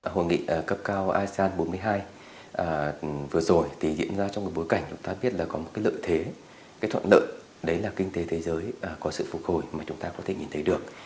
hội nghị cấp cao asean lần thứ bốn mươi hai vừa rồi diễn ra trong bối cảnh có lợi thế thuận lợi kinh tế thế giới có sự phục hồi mà chúng ta có thể nhìn thấy được